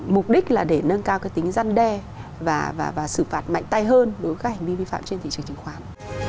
mục đích là để nâng cao tính răn đe và xử phạt mạnh tay hơn đối với các hành vi vi phạm trên thị trường chứng khoán